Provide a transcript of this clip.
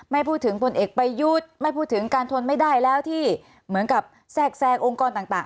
ไม่พูดถึงพลเอกประยุทธ์ไม่พูดถึงการทนไม่ได้แล้วที่เหมือนกับแทรกแทรงองค์กรต่าง